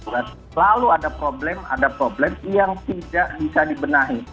lalu ada problem ada problem yang tidak bisa dibenahi